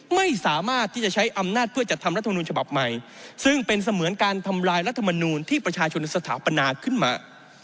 ไม่สามารถที่จะใช้อำนาจเพื่อจัดทำรัฐมนูลฉบับใหม่ซึ่งเป็นเสมือนการทำลายรัฐมนูลที่ประชาชนสถาปนาขึ้นมา